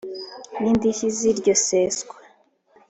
N idishyi z iryo seswa